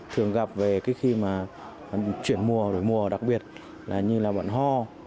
thường gặp về khi mà chuyển mùa đổi mùa đặc biệt là như là bận ho